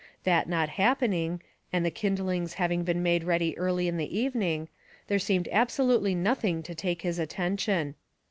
That not happening, and the kindlings having been made ready early in the evening, there seemed absolutely nothing to take his attention.